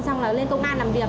xong là lên công an làm việc